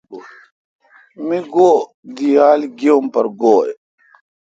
می گو دییال گییام پرگوئ۔